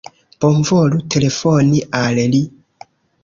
Bonvolu telefoni al li.